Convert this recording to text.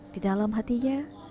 di dalam hatinya